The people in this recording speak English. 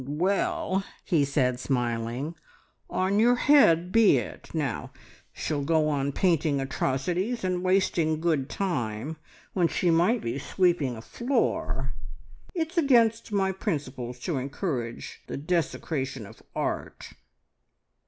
"Well," he said smiling, "on your head be it! Now she'll go on painting atrocities, and wasting good time, when she might be sweeping a floor! It's against my principles to encourage the desecration of art."